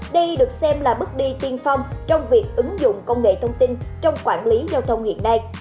đây được xem là bước đi tiên phong trong việc ứng dụng công nghệ thông tin trong quản lý giao thông hiện nay